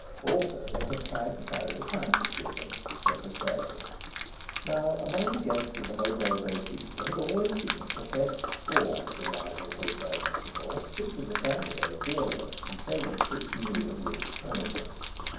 Also they had tried to carry the Countess with them, but had failed. Now, among the guests of the Hôtel Beau Site there had always been a professed scorn of the rival Hotel Métropole, which was a franc a day dearer, and famous for its new and rich furniture.